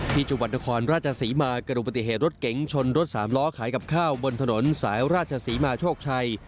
ที่จังหวัดนครราชศรีมาเกิดอุบัติเหตุรถเก๋งชนรถสามล้อขายกับข้าวบนถนนสายราชศรีมาโชคชัย